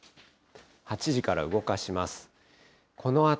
８時から動かします。